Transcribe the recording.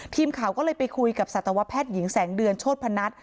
ทีมข่าวก็เลยไปคุยกับสัตวแพทย์หญิงแสงเดือนโชธพนัท